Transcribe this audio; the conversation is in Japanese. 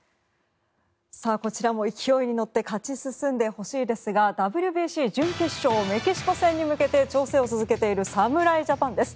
こちらも勢いに乗って勝ち進んでほしいですがＷＢＣ準決勝メキシコ戦に向けて調整を続けている侍ジャパンです。